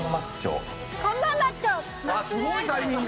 すごいタイミング。